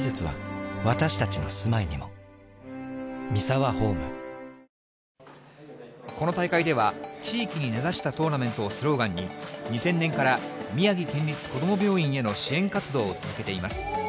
そして単独トップ、この大会では、地域に根ざしたトーナメントをスローガンに、２０００年から宮城県立こども病院への支援活動を続けています。